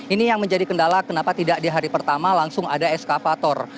ini yang menjadi kendala kenapa tidak di hari pertama langsung ada eskavator